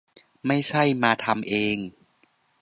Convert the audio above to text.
ไม่ใช่มาทำเอง